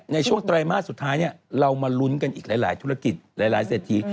ในช่วงไตรมาสสุดท้ายเรามาลุ้นกันอีกหลายธุรกิจหลายเศรษฐี